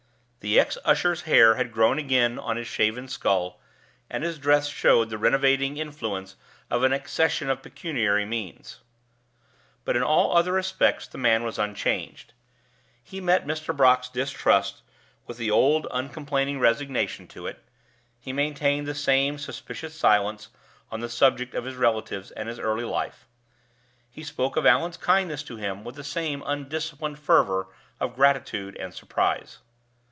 The ex usher's hair had grown again on his shaven skull, and his dress showed the renovating influence of an accession of pecuniary means, but in all other respects the man was unchanged. He met Mr. Brock's distrust with the old uncomplaining resignation to it; he maintained the same suspicious silence on the subject of his relatives and his early life; he spoke of Allan's kindness to him with the same undisciplined fervor of gratitude and surprise.